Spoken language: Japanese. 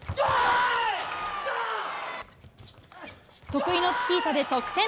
得意のチキータで得点。